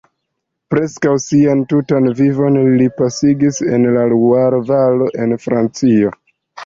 Preskaŭ sian tutan vivon li pasigis en la Luaro-valo en Francio.